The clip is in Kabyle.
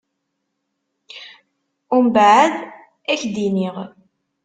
Umbɛed ad k-d-iniƔ.